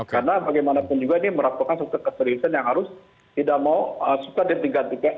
karena bagaimanapun juga ini merupakan suatu keseriusan yang harus tidak mau suka ditingkatkan